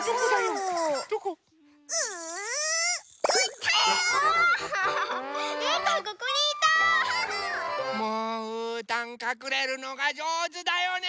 もううーたんかくれるのがじょうずだよね！